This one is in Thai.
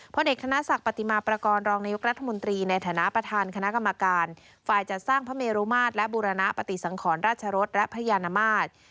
เด็กธนศักดิ์ปฏิมาประกอบรองนายกรัฐมนตรีในฐานะประธานคณะกรรมการฝ่ายจัดสร้างพระเมรุมาตรและบูรณปฏิสังขรราชรสและพระยานมาตร